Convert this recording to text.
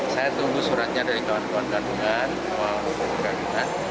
saya tunggu suratnya dari kawan kawan kandungan kawan kawan kandungan